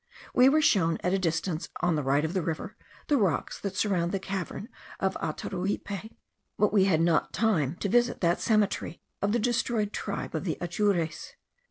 We were shown at a distance, on the right of the river, the rocks that surround the cavern of Ataruipe; but we had not time to visit that cemetery of the destroyed tribe of the Atures.